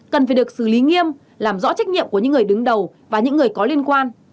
cần phải được xử lý nghiêm làm rõ trách nhiệm của những người đứng đầu và những người có liên quan